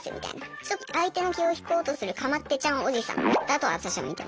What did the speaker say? ちょっと相手の気を引こうとするかまってちゃんオジさんだと私は見てます。